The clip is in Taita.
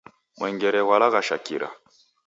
Mwengere ghwalaghasha kira